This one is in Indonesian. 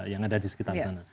yang ada di sekitar sana